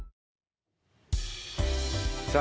さあ